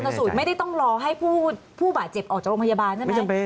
สูตรไม่ได้ต้องรอให้ผู้บาดเจ็บออกจากโรงพยาบาลใช่ไหม